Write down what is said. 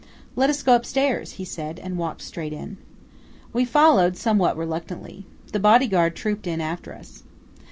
"Let us go upstairs," he said, and walked straight in. We followed, somewhat reluctantly. The body guard trooped in after us.